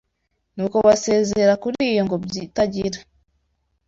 Nuko basezera kuri iyo ngobyi itagira